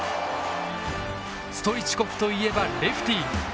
ストイチコフといえばレフティー。